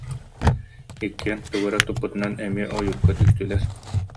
Иккиэн тугу эрэ туппутунан эмиэ ойуурга түстүлэр